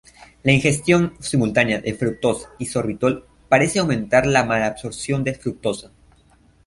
La ingestión simultánea de fructosa y sorbitol parece aumentar la malabsorción de fructosa.